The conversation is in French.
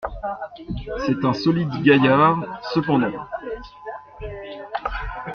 C’est un solide gaillard, cependant !